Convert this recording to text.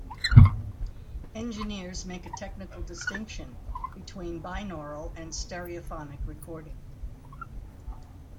Engineers make a technical distinction between "binaural" and "stereophonic" recording.